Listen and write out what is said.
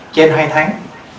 trên hai tháng